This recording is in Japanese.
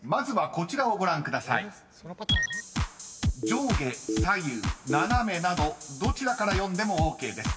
［上下左右斜めなどどちらから読んでもＯＫです］